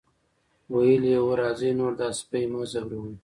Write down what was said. ویلي یې وو راځئ نور دا سپی مه ځوروئ.